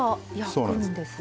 そうなんです。